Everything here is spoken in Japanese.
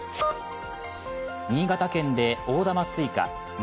新潟県で大玉スイカ祭